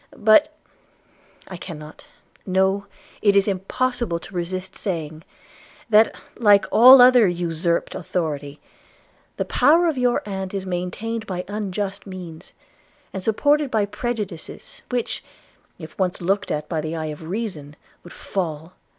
But – I cannot – no, it is impossible to resist saying, that, like all other usurped authority, the power of your aunt is maintained by unjust means, and supported by prejudices, which if once looked at by the eye of reason would fall.